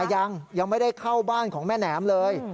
ยังยังไม่ได้เข้าบ้านของแม่แหนมเลย